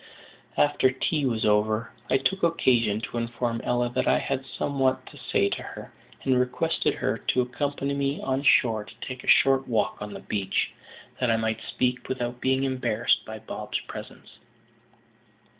After tea was over, I took occasion to inform Ella that I had somewhat to say to her, and requested her to accompany me on shore and take a short walk on the beach, that I might speak without being embarrassed by Bob's presence.